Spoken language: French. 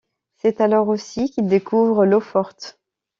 C'est alors aussi qu'il découvre l'eau-forte.